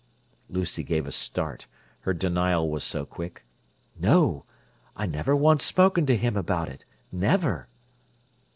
Lucy gave a start, her denial was so quick. "No! I've never once spoken to him about it. Never!"